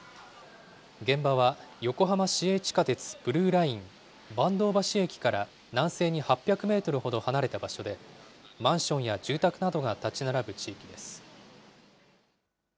現場は横浜市営地下鉄ブルーライン阪東橋駅から南西に８００メートルほど離れた場所で、マンションや住宅などが建ち並ぶ地域です。